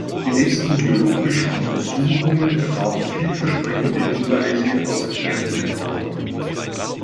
Die letzten geologischen Untersuchungen ergaben vielversprechende Hinweise auf Erdölvorkommen.